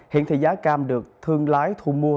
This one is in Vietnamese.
hiện thì giá cam được thương lái thu mua